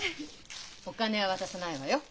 お金は渡さないわよ。